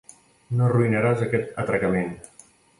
No arruïnaràs aquest atracament!